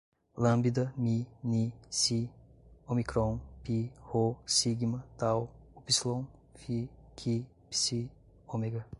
lambda, mi, ni, csi, ómicron, pi, rô, sigma, tau, úpsilon, fi, qui, psi, ômega